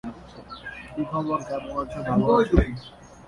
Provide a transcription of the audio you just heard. এই ঘটনায় সবাই সোচ্চার হয়ে গেছে।